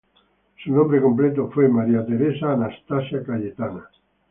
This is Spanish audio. Su nombre completo fue Maria Teresa Anastasia Cayetana.